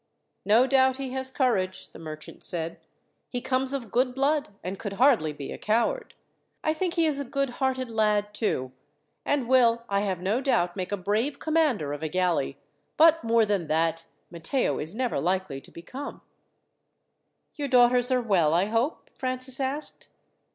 "No doubt he has courage," the merchant said. "He comes of good blood and could hardly be a coward. I think he is a good hearted lad, too, and will, I have no doubt, make a brave commander of a galley; but more than that Matteo is never likely to become." "Your daughters are well, I hope?" Francis asked.